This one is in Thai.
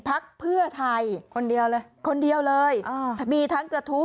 พักเพื่อไทยคนเดียวเลยคนเดียวเลยอ่ามีทั้งกระทู้